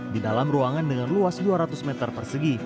di dalam ruangan dengan luas dua ratus meter persegi